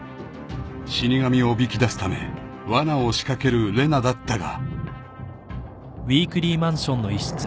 ［死神をおびき出すためわなを仕掛ける玲奈だったが］